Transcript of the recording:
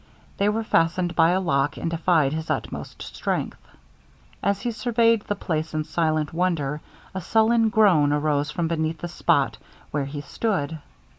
They were fastened by a lock, and defied his utmost strength. As he surveyed the place in silent wonder, a sullen groan arose from beneath the spot where he stood.